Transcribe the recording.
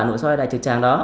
nội soi đại trực tràng đó